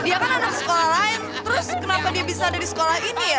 dia kan anak sekolah yang terus kenapa dia bisa ada di sekolah ini ya